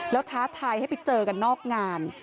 แล้วท้าทายให้ไปเจอกันนอกงาน